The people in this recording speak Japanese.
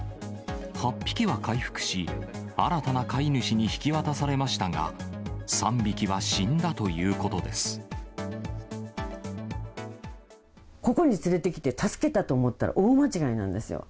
８匹は回復し、新たな飼い主に引き渡されましたが、ここに連れてきて助けたと思ったら、大間違いなんですよ。